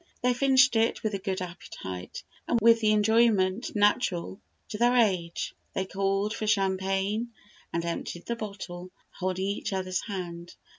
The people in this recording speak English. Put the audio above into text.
They finished it with a good appetite, and with the enjoyment natural to their age. They called for champagne, and emptied the bottle, holding each other's hand.